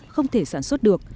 không thể sản xuất được